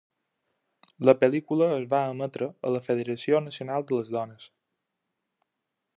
La pel·lícula es va emetre a la Federació Nacional de les Dones.